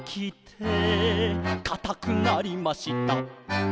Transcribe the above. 「かたくなりました」